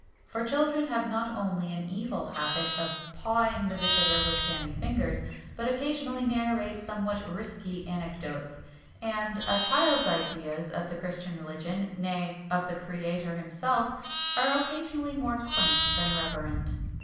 For children have not only an evil habit of "pawing" the visitor with jammy fingers, but occasionally narrate somewhat "risky" anecdotes. And a child's ideas of the Christian religion, nay, of the Creator himself, are occasionally more quaint than reverent.